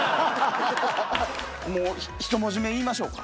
もうひと文字目言いましょうか？